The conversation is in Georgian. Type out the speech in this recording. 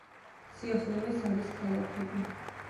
სიახლოვეს არის ქალაქები.